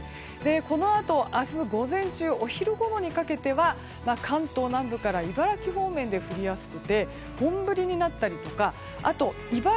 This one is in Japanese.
このあと明日午前中お昼ごろにかけては関東南部から茨城方面で降りやすくて本降りになったりとか茨城、